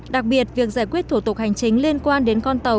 đặc biệt việc giải quyết thủ tục hành chính liên quan đến con tàu